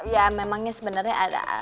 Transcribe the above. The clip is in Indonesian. ya memangnya sebenernya ada